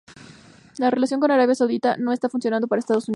La relación con Arabia Saudita no está funcionando para Estados Unidos.